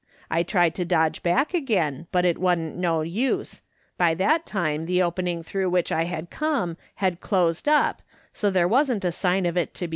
I tried to dodge back again, but it wa'n't no use ; by that time tlie opening through which T come had eluded up, so there wasn't a sign of it to be seen.